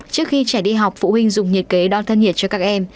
trước khi trẻ đi học phụ huynh dùng nhiệt kế đo thân nhiệt cho các em